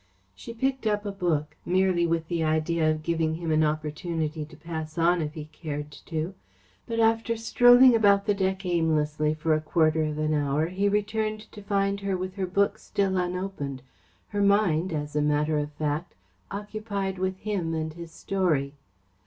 She picked up a book, merely with the idea of giving him an opportunity to pass on if he cared to, but after strolling about the deck aimlessly for a quarter of an hour, he returned to find her with her book still unopened, her mind, as a matter of fact, occupied with him and his story.